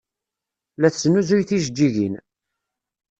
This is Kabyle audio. La tesnuzuy tijeǧǧigin.